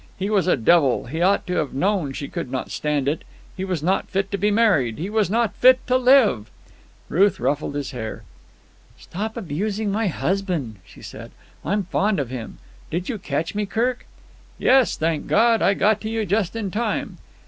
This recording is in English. He was a devil. He ought to have known she could not stand it. He was not fit to be married. He was not fit to live. Ruth ruffled his hair. "Stop abusing my husband," she said. "I'm fond of him. Did you catch me, Kirk?" "Yes, thank God. I got to you just in time."